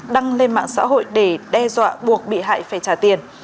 đăng lên mạng xã hội để đe dọa buộc bị hại phải trả tiền